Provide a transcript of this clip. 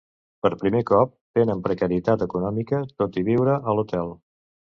Per primer cop tenen precarietat econòmica tot i viure a l'hotel.